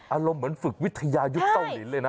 อารมณ์เหมือนฝึกวิทยายุคเต้าลินเลยนะ